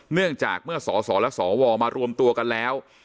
เนื่องจากเมื่อสสและสวมารวมตัวกันแล้ว